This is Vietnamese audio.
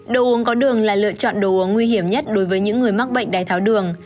đồ uống có đường là lựa chọn đồ uống nguy hiểm nhất đối với những người mắc bệnh đai tháo đường